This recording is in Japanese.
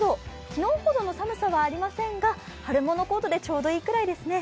昨日ほどの寒さはありませんが春物コートでちょうど良さそうですね。